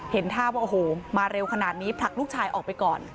เห็นท่าว่าโอ้โหมาเร็วขนาดนี้ผลักลูกชายออกไปก่อน